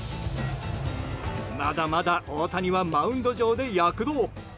まだまだ大谷はマウンド上で躍動。